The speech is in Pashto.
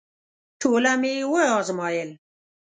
ټوله مي وازمایل …